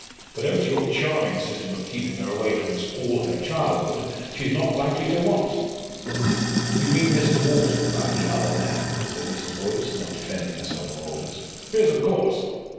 But owing to your charming system of keeping her away from us all her childhood, she's not likely to want." "You mean Mr. Wharton by the other man?" said Mrs. Boyce, not defending herself or Aldous. "Yes, of course.